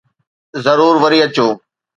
ضرور وري اچو